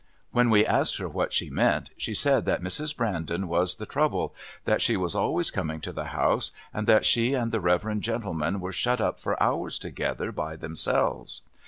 When we asked her what she meant she said that Mrs. Brandon was the trouble, that she was always coming to the house, and that she and the reverend gentleman were shut up for hours together by themselves.